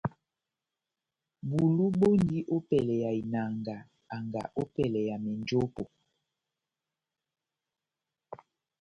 Bulu bɔndi ópɛlɛ ya inanga anga ópɛlɛ ya menjopo.